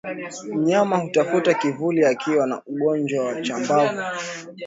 Mnyama hutafuta kivuli akiwa na ugonjwa wa chambavu